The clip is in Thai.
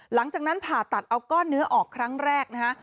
หลังจากนั้นผ่าตัดเอาก้อนเนื้อออกครั้งแรกนะฮะ